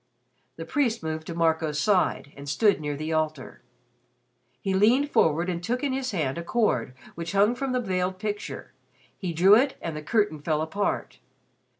The priest moved to Marco's side, and stood near the altar. He leaned forward and took in his hand a cord which hung from the veiled picture he drew it and the curtain fell apart.